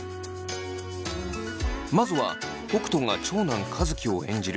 まずは北斗が長男和樹を演じる